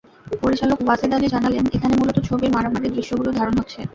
পরিচালক ওয়াজেদ আলী জানালেন, এখানে মূলত ছবির মারামারির দৃশ্যগুলো ধারণ হচ্ছে।